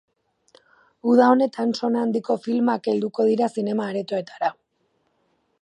Uda honetan sona handiko filmak helduko dira zinema-aretoetara.